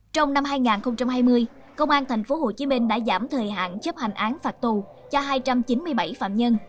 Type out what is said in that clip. trong năm hai nghìn hai mươi công an tp hcm đã giảm thời hạn chấp hành án phạt tù cho hai trăm chín mươi bảy phạm nhân